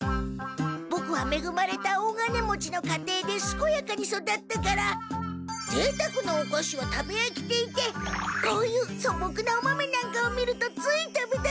ボクはめぐまれた大金持ちの家庭ですこやかに育ったからぜいたくなおかしは食べあきていてこういうそぼくなお豆なんかを見るとつい食べたくなっちゃう！